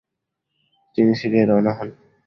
তিনি সিরিয়ায় রওয়ানা হন।